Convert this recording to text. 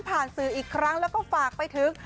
ผ่านซื้ออีกครั้งแล้วก็ฝากไปทึก